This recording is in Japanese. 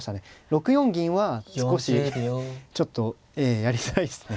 ６四銀は少しちょっとええやりづらいですね。